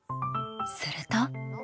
すると。